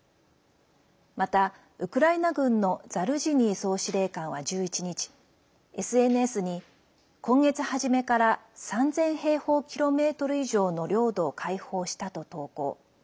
また、ウクライナ軍のザルジニー総司令官は１１日ＳＮＳに今月初めから３０００平方キロメートル以上の領土を解放したと投稿。